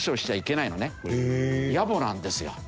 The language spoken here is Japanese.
やぼなんですよ。